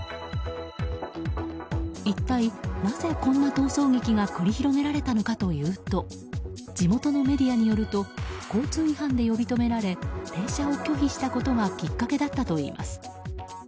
一体なぜ、こんな逃走劇が繰り広げられたのかというと地元のメディアによると交通違反で呼び止められ停車を拒否したことがきっかけだったといいます。